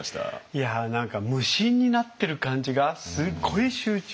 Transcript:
いや何か無心になってる感じがすごい集中。